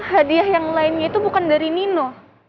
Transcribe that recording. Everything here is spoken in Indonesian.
hadiah yang lainnya itu bukan dari nino